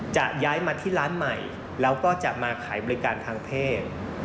จะย้ายมาที่ร้านใหม่แล้วก็จะมาขายบริการทางเพศ